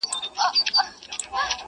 زه به دا توري سترګي چیري بدلومه!!